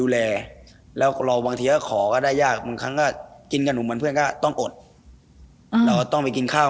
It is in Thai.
เห้แล้วมันจะเป็นยังไงล่ะ